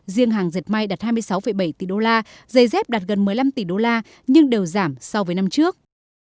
riêng hàng dệt may đạt hai mươi sáu bảy tỷ đô la giày dép đạt gần một mươi năm tỷ đô la nhưng đều giảm so với năm trước